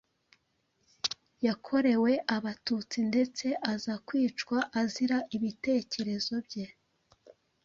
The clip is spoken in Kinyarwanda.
yakorewe abatutsi ndetse aza kwicwa azira ibitekerezo bye.